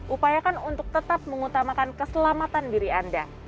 upayakan untuk tetap mengutamakan keselamatan diri anda